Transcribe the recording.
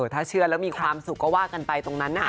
ถ้าเชื่อแล้วมีความสุขก็ว่ากันไปตรงนั้น